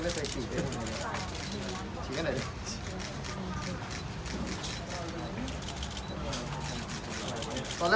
เอาอันนี้พวกเราถอยหลังก่อนดีกว่าครับ